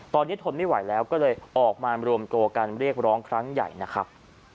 ตอนนี้ทนไม่ไหวแล้วก็เลยออกมารวมตัวกันเรียกร้องครั้งใหญ่นะครับ